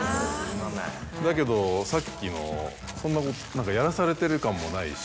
だけどさっきのそんなやらされてる感もないし。